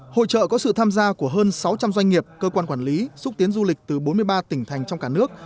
hội trợ có sự tham gia của hơn sáu trăm linh doanh nghiệp cơ quan quản lý xúc tiến du lịch từ bốn mươi ba tỉnh thành trong cả nước